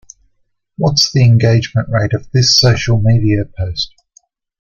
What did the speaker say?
What is the engagement rate of this social media post?